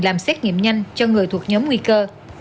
làm xét nghiệm nhanh cho người thuộc nhóm nguy cơ